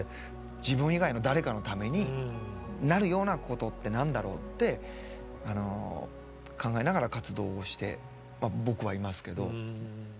自分以外の誰かのためになるようなことって何だろうって考えながら活動をして僕はいますけど。